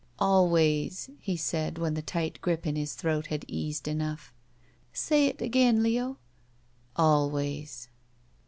"Always," he said when the tight grip in his throat had eased enough. "Say — ^it again — Leo." "Always."